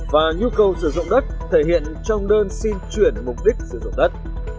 và nhu cầu sử dụng đất thể hiện trong đơn xin chuyển mục đích sử dụng đất